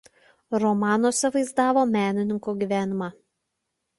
Romanuose vaizdavo menininkų gyvenimą.